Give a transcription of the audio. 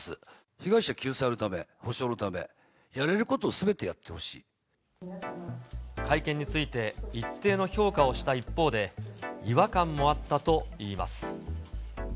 被害者救済のため、補償のため、会見について、一定の評価をした一方で、違和感もあったといいます。